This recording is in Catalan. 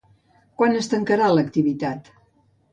Quan es tancarà l'activitat?